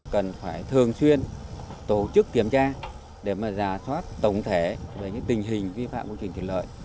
cần phải thường xuyên tổ chức kiểm tra để mà giả soát tổng thể về những tình hình vi phạm công trình thủy lợi